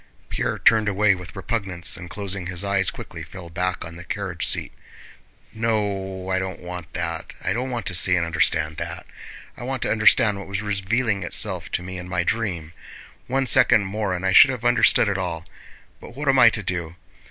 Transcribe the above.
Pierre turned away with repugnance, and closing his eyes quickly fell back on the carriage seat. "No, I don't want that, I don't want to see and understand that. I want to understand what was revealing itself to me in my dream. One second more and I should have understood it all! But what am I to do?